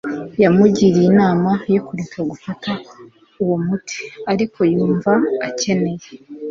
yamugiriye inama yo kureka gufata uwo muti, ariko yumva akeneye